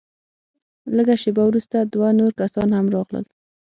لږه شېبه وروسته دوه نور کسان هم راغلل.